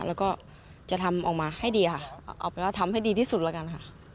แล้วก็จะทำออกมาให้ดีออกไปแล้วทำให้ดีที่สุดแล้วกัน